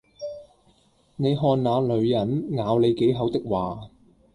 你看那女人「咬你幾口」的話，